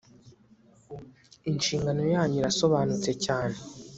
inshingano yanyu irasobanutse cyane